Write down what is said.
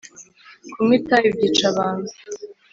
kunywa itabi byica abantu.